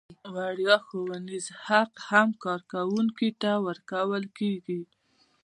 وړیا ښوونیز حق هم کارکوونکي ته ورکول کیږي.